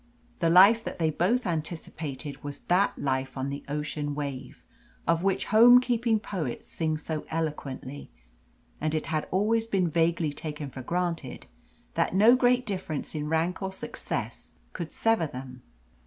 The life that they both anticipated was that life on the ocean wave, of which home keeping poets sing so eloquently; and it had always been vaguely taken for granted that no great difference in rank or success could sever them.